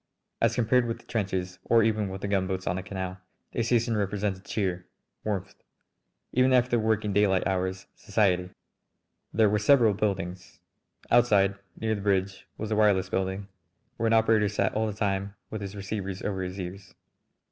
As compared with the trenches, or even with the gunboats on the canal, the station represented cheer, warmth; even, after the working daylight hours, society. There were several buildings. Outside near the bridge was the wireless building, where an operator sat all the time with his receivers over his ears.